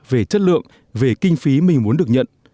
về chất lượng về kinh phí mình muốn được nhận